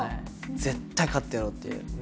絶対勝ってやろうっていう。